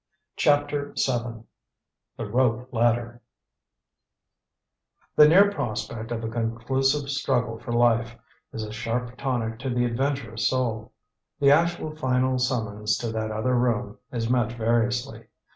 CHAPTER VII THE ROPE LADDER The near prospect of a conclusive struggle for life is a sharp tonic to the adventurous soul. The actual final summons to that Other Room is met variously.